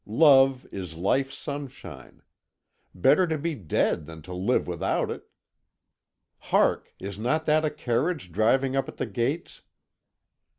Love is life's sunshine. Better to be dead than to live without it! Hark! Is not that a carriage driving up at the gates?"